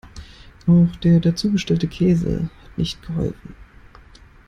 Auch der dazugestellte Käse hat nicht geholfen.